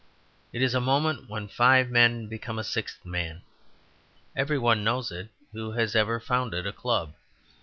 It is a moment when five men become a sixth man. Every one knows it who has ever founded a club.